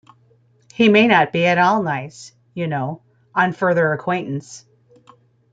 He may not be at all nice, you know, on further acquaintance.